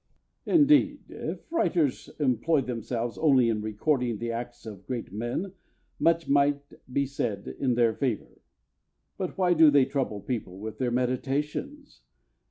Hercules. Indeed, if writers employed themselves only in recording the acts of great men, much might be said in their favour. But why do they trouble people with their meditations?